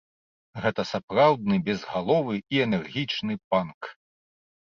Гэта сапраўдны безгаловы і энергічны панк.